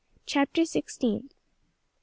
CHAPTER SIXTEENTH.